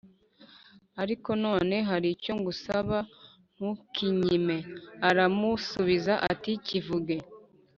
Ariko none hari icyo ngusaba ntukinyime.” Aramusubiza ati “Kivuge.”